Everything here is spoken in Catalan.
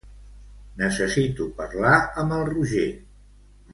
Necessito parlar amb el Roger.